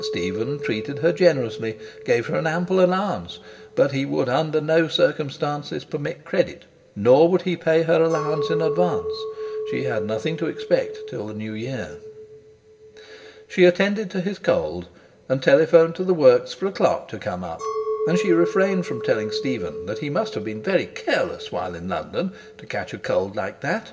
Stephen treated her generously, gave her an ample allowance, but he would under no circumstances permit credit, nor would he pay her allowance in advance. She had nothing to expect till the New Year. She attended to his cold, and telephoned to the works for a clerk to come up, and she refrained from telling Stephen that he must have been very careless while in London, to catch a cold like that.